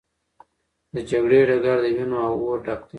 د جګړې ډګر د وینو او اور ډک و.